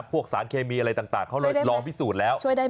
พวกสารเคมีอะไรต่างเขาเลยลองพิสูจน์แล้ว